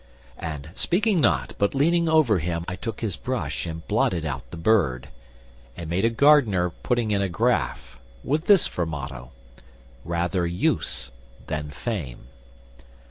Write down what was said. And speaking not, but leaning over him I took his brush and blotted out the bird, And made a Gardener putting in a graff, With this for motto, 'Rather use than fame.